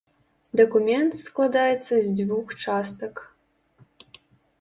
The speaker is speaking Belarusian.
Дакумент складаецца з дзвюх частак.